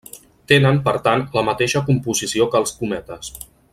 Tenen, per tant, la mateixa composició que els cometes.